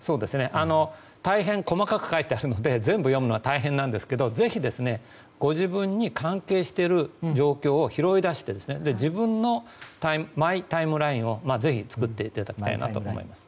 大変細かく書いてあるので全部読むのは大変なんですけどぜひご自分に関係している状況を拾い出して自分のマイタイムラインをぜひ作っていただきたいなと思います。